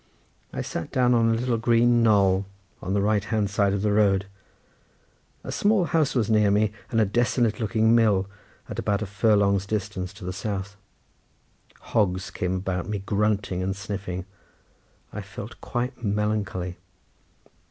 I sat down on a little green knoll on the right hand side of the road; a small house was near me, and a desolate looking mill at about a furlong's distance, to the south. Hogs came about me grunting and sniffing. I felt quite melancholy.